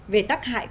về tác hại